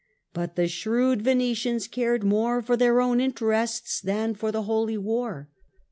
But the shrewd Venetians cared more for their own interests than for the Holy War.